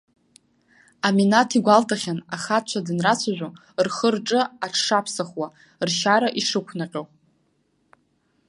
Аминаҭ игәалҭахьан, ахацәа данрацәажәо, рхы-рҿы аҽшаԥсахуа, ршьара ишықәҟьо.